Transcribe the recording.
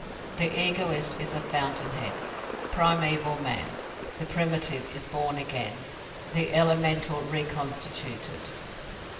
The Egoist is our fountain head, primeval man: the primitive is born again, the elemental reconstituted.